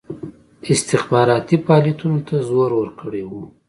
استخباراتي فعالیتونو ته زور ورکړی وو.